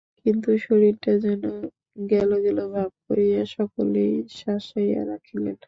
কিন্তু শরীরটা যেন গেল-গেল ভাব করিয়া সকলকে শাসাইয়া রাখিলেন।